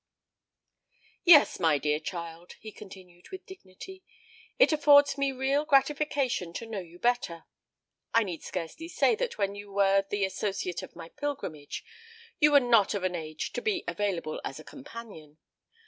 "Yes, my dear child," he continued with dignity, "it affords me real gratification to know you better. I need scarcely say that when you were the associate of my pilgrimage, you were not of an age to be available as a companion.